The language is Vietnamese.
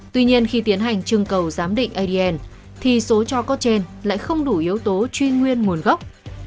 tuy nhiên khi tiến hành trưng cầu giám định adn thì số cho có trên lại không đủ yếu tố truy nguyên nguồn gốc